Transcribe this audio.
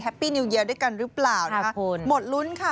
แฮปปี้นิวเยียร์ด้วยกันรึเปล่าขอบคุณหมดลุ้นค่ะ